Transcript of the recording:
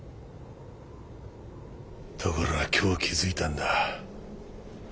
ところが今日気づいたんだ。